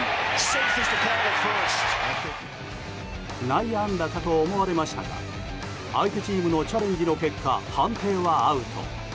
内野安打かと思われましたが相手チームのチャレンジの結果判定はアウト。